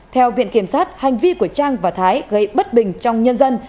theo viện kiểm sát hành vi của trang và thái gây bất bình trong nhân dân